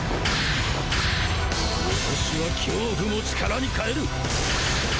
私は恐怖も力に換える！